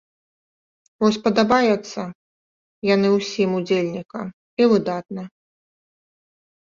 Вось падабаецца яны ўсім удзельнікам, і выдатна.